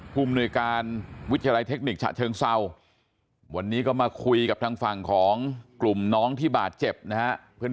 ภูมิหน่วยการวิทยาลัยเทคนิคฉะเชิงเศร้าวันนี้ก็มาคุยกับทางฝั่งของกลุ่มน้องที่บาดเจ็บนะฮะ